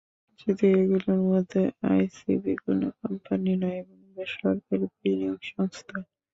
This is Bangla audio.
যদিও এগুলোর মধ্যে আইসিবি কোনো কোম্পানি নয়, বরং সরকারি বিনিয়োগ সংস্থা।